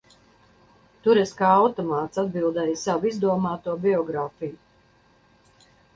Tur es kā automāts atbildēju savu izdomāto biogrāfiju.